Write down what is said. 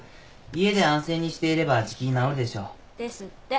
家で安静にしていればじきに治るでしょう。ですって。